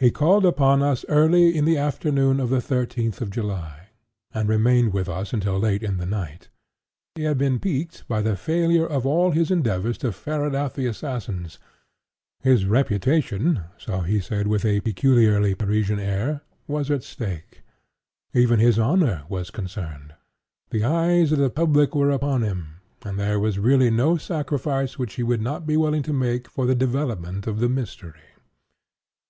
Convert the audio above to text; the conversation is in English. He called upon us early in the afternoon of the thirteenth of July, 18—, and remained with us until late in the night. He had been piqued by the failure of all his endeavors to ferret out the assassins. His reputation—so he said with a peculiarly Parisian air—was at stake. Even his honor was concerned. The eyes of the public were upon him; and there was really no sacrifice which he would not be willing to make for the development of the mystery.